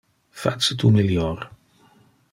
Face tu melior!